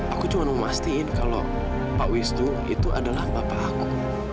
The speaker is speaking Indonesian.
aku cuma memastikan kalau pak wisnu itu adalah bapak aku